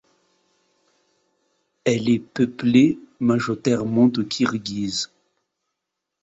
Elle est peuplée majoritairement de Kirghizes.